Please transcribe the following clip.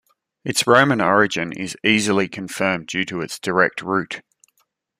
Its Roman origin is easily confirmed due to its direct route.